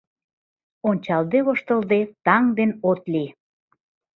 Ончалде-воштылде, таҥ ден от лий